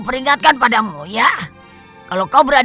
angga tak jumpa